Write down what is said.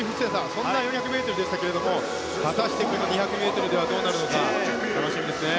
そんな４００ｍでしたけれども果たして、この２００ｍではどうなるのか楽しみですね。